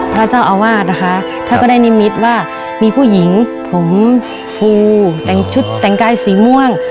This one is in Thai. พระเจ้าอาวาสนะคะท่านก็ได้นิมิตว่ามีผู้หญิงผมภูแต่งชุดแต่งกายสีม่วง